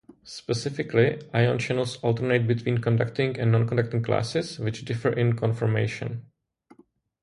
Specifically, ion channels alternate between conducting and non-conducting classes, which differ in conformation.